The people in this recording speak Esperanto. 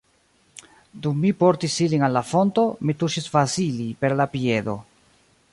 Dum mi portis ilin al la fonto, mi tuŝis Vasili per la piedo.